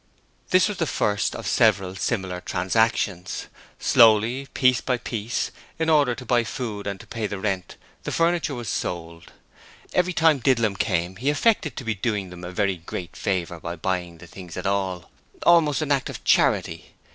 This was the first of several similar transactions. Slowly, piece by piece, in order to buy food and to pay the rent, the furniture was sold. Every time Didlum came he affected to be doing them a very great favour by buying the things at all. Almost an act of charity.